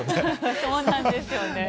そうなんですよね。